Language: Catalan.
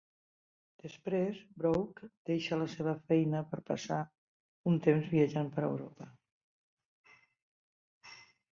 Després, Brooke deixa la seva feina per passar un temps viatjant per Europa.